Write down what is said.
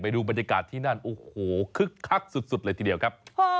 ดูบรรยากาศที่นั่นโอ้โหคึกคักสุดเลยทีเดียวครับ